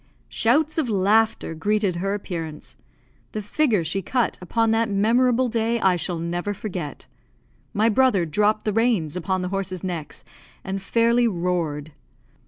Shouts of laughter greeted her appearance. The figure she cut upon that memorable day I shall never forget. My brother dropped the reins upon the horses' necks, and fairly roared.